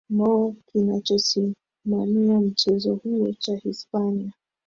mbo kinachosimamia mchezo huo cha hispania